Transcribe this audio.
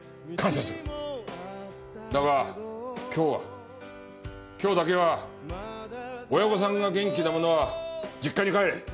だが今日は今日だけは親御さんが元気な者は実家に帰れ。